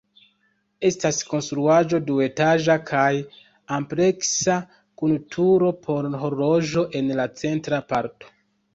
Estas konstruaĵo duetaĝa kaj ampleksa kun turo por horloĝo en la centra parto.